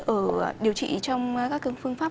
ở điều trị trong các phương pháp